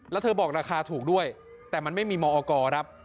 แล้วเธอบอกราคาถูกด้วยแต่มันไม่มีมอกรครับ